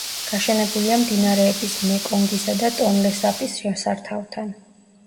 გაშენებულია მდინარეების მეკონგისა და ტონლესაპის შესართავთან.